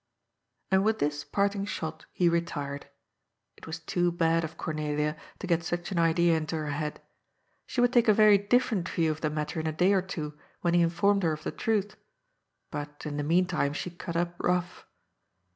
And with this parting shot he retired. It was too bad of Cornelia to get such an idea into her head. She would take a very different view of the matter in a day or two, when he informed her of the truth. But, in the meantime, she cut up rough.